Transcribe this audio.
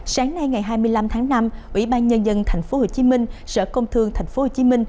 sáng nay ngày hai mươi năm tháng năm ủy ban nhân dân tp hcm sở công thương tp hcm